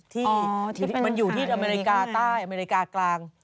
ที่มันอยู่ที่อเมริกาใต้อเมริกากลาง